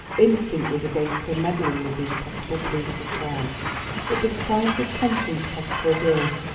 Instinct was against her meddling with these possible proofs of crime. But this triumph of conscience cost her dear.